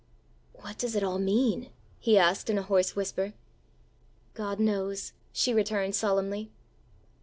"What does it all mean?" he asked in a hoarse whisper. "God knows!" she returned solemnly.